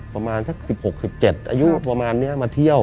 ประมาณสัก๑๖๑๗อายุประมาณนี้มาเที่ยว